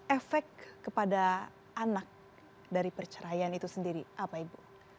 efek kepada anak dari perceraian itu sendiri apa ibu